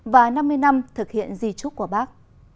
và năm mươi năm thực hiện di trúc của bác